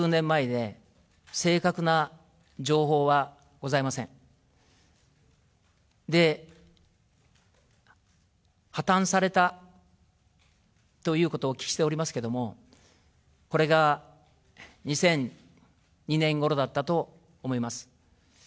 で、破綻されたということをお聞きしておりますけれども、これが２００２年ごろだったと思います。